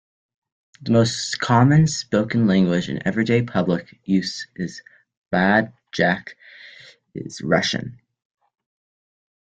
The most common spoken language in everyday public use in Budjak is Russian.